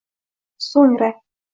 soʼngra